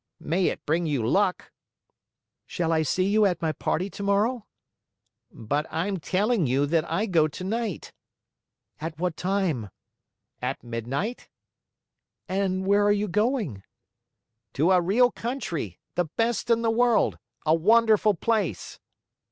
"May it bring you luck!" "Shall I see you at my party tomorrow?" "But I'm telling you that I go tonight." "At what time?" "At midnight." "And where are you going?" "To a real country the best in the world a wonderful place!"